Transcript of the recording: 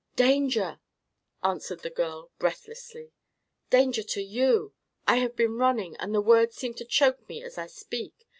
"Danger!" answered the girl, breathlessly. "Danger to you! I have been running, and the words seem to choke me as I speak.